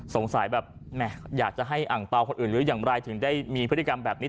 สงสัยแบบอยากจะให้อังเปล่าคนอื่นหรืออย่างไรถึงได้มีพฤติกรรมแบบนี้